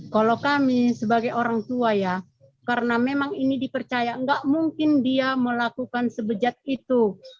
kalau kami sebagai orang tua ya karena memang ini dipercaya nggak mungkin dia melakukan sebejat itu